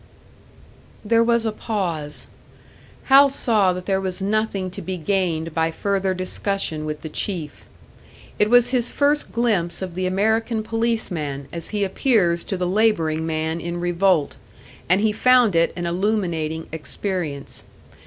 There was a pause. Hal saw that there was nothing to be gained by further discussion with the Chief. It was his first glimpse of the American policeman as he appears to the labouring man in revolt, and he found it an illuminating experience.